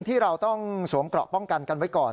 ที่เราต้องสวมเกราะป้องกันกันไว้ก่อน